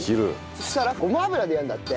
そしたらごま油でやるんだって。